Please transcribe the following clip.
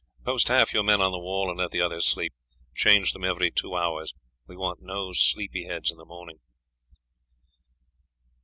Post half your men on the wall, and let the others sleep; change them every two hours we want no sleepy heads in the morning."